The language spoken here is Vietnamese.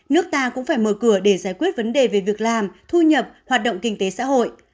nước ta cũng phải mở cửa để giải quyết vấn đề về việc làm thu nhập hoạt động kinh tế xã hội